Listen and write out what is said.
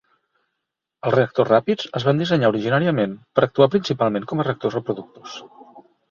Els reactors ràpids es van dissenyar originàriament per actuar principalment com a reactors reproductors.